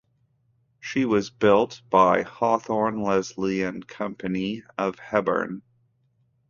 She was built by Hawthorn Leslie and Company of Hebburn.